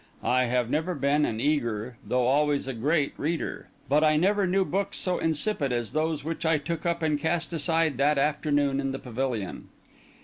I have never been an eager, though always a great, reader; but I never knew books so insipid as those which I took up and cast aside that afternoon in the pavilion.